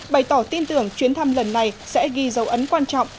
bày tỏ tin tưởng chuyến thăm lần này sẽ ghi dấu ấn quan trọng